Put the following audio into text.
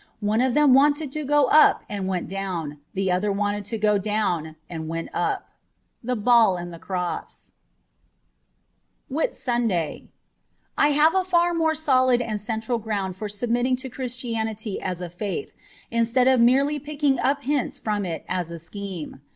One of them wanted to go up and went down ; the other wanted to go down and went up. * T^he Ball and the Cross* 418 WHITSUNDAY 1HAVE a far more solid and central ground for submitting to Christianity as a faith, instead of merely picking up hints from it as a scheme.